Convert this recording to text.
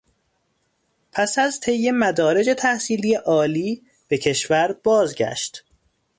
پس از طی مدارج تحصیلی عالی به کشور بازگشت